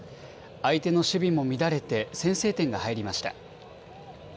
相手の守備も乱れて先制点が入りました。